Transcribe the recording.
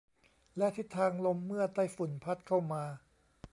และทิศทางลมเมื่อไต้ฝุ่นพัดเข้ามา